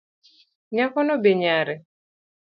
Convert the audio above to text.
Nyakono be nyare